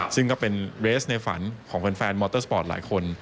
ซึ่งก็เป็นเรสในฝันของแฟนมอเตอร์สปอร์ตหลายคน